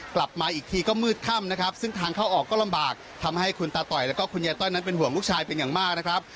กลับมาอีกทีก็มืดค่ำนะครับซึ่งทางเข้าออกก็ลำบากทำให้คุณตาต่อยแล้วก็คุณยายต้อยนั้นเป็นห่วงลูกชายเป็นอย่างมากนะครับ